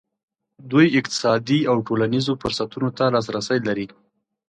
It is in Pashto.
دوی اقتصادي او ټولنیزو فرصتونو ته لاسرسی لري.